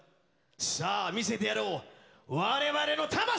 さぁ見せてやろう我々の魂を！